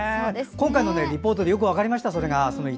今回のリポートでその一端がよく分かりました。